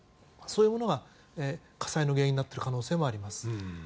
そういうものが火災の原因になっている可能性もあります。